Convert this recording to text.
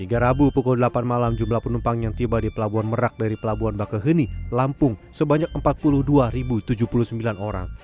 hingga rabu pukul delapan malam jumlah penumpang yang tiba di pelabuhan merak dari pelabuhan bakaheni lampung sebanyak empat puluh dua tujuh puluh sembilan orang